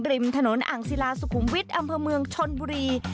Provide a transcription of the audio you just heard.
ริมถนนอ่างศิลาสุขุมวิทย์อำเภอเมืองชนบุรี